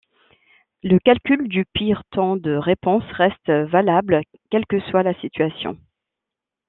Le calcul du pire temps de réponse reste valable quelle que soit la situation.